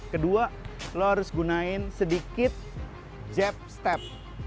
kedua lo harus gunain sedikit jab step